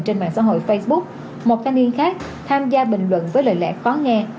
trên mạng xã hội facebook một thanh niên khác tham gia bình luận với lời lẽ khó nghe